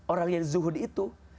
orang yang zuhun itu